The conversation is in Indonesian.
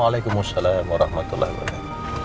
wa'alaikumussalam warahmatullahi wabarakatuh